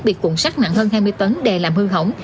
bị cuộn xác nặng hơn hai mươi tấn đè làm hư hỏng